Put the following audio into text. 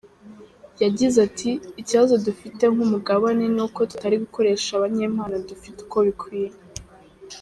Yagize ati “Ikibazo dufite nk’umugabane ni uko tutari gukoresha abanyempano dufite uko bikwiye.